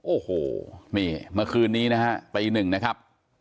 โอ้โหนี่เมื่อคืนนี้นะฮะตีหนึ่งนะครับ